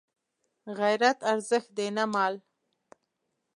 غیرت ارزښت دی نه مال